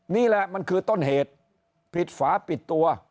นี่แหละมันคือต้นเหตุปิดฝาปิดตัว